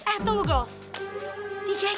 eh tunggu girls